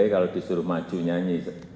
kalau disuruh maju nyanyi